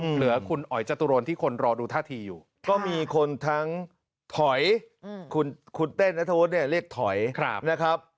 เหลือคุณอ๋อยจตุรนที่คนรอดูท่าทีอยู่ก็มีคนทั้งถอยคุณเต้นนัทวุฒิเนี่ยเรียกถอยนะครับ